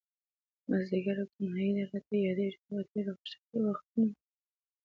مازديګری او تنهائي ده، راته ياديږي هغه تير خوشحال وختونه